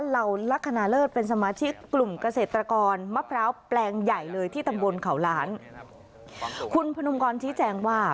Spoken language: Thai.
เหล่าลักษณะเลิศเป็นสมาชิกกลุ่มเกษตรกรมะพร้าวแปลงใหญ่เลยที่ตำบลเขาล้านคุณพนมกรชี้แจงว่า